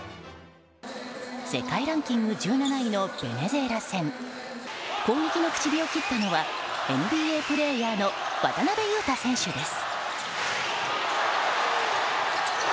世界ランキング１７位のベネズエラ戦攻撃の口火を切ったのはＮＢＡプレーヤーの渡邊雄太選手です。